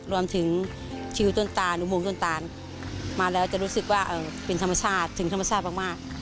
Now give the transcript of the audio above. รวมถึงคิวต้นตานุมต้นตาลมาแล้วจะรู้สึกว่าเป็นธรรมชาติถึงธรรมชาติมาก